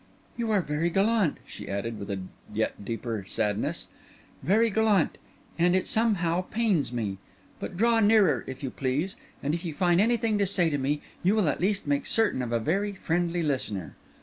"You are very gallant," she added, with a yet deeper sadness ... "very gallant ... and it somehow pains me. But draw nearer, if you please; and if you find anything to say to me, you will at least make certain of a very friendly listener.